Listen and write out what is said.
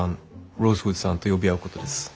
「ローズウッドさん」と呼び合うことです。